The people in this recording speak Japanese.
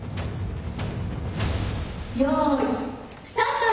よいスタート！